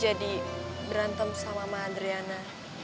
tapi dia berantem sama mama adriana